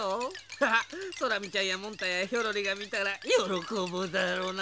ハハッソラミちゃんやモンタやヒョロリがみたらよろこぶだろうな。